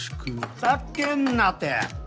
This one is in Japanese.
ふざけんなて！